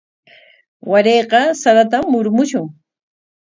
Warayqa saratam murumushun.